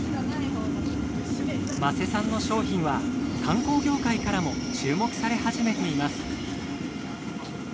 間瀬さんの商品は観光業界からも注目され始めています。